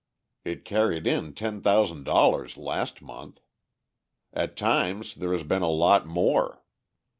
It carried in ten thousand dollars last month. At times, there has been a lot more.